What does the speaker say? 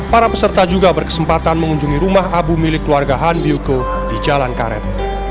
para peserta juga berkesempatan mengunjungi rumah abu milik keluarga han bioko di jalan karet